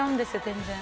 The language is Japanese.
全然。